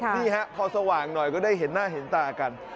นี่ฮะพอสว่างหน่อยก็ได้เห็นหน้าเห็นตากัน